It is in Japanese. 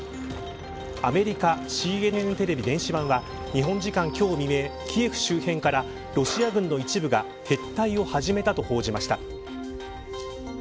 アメリカＣＮＮテレビ電子版は日本時間、今日未明キエフ周辺からロシア軍の一部が撤退を始めたと報じました。